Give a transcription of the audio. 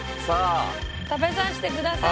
食べさせてください！